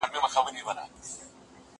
زه به پلان جوړ کړی وي!.